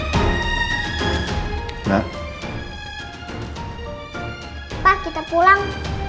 reina udah pulang